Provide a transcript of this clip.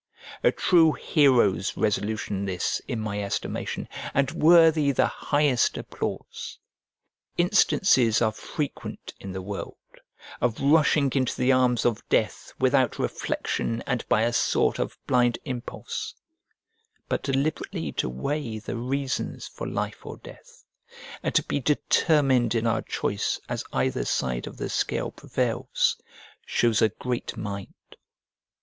A true hero's resolution this, in my estimation, and worthy the highest applause. Instances are frequent in the world, of rushing into the arms of death without reflection and by a sort of blind impulse but deliberately to weigh the reasons for life or death, and to be determined in our choice as either side of the scale prevails, shows a great mind.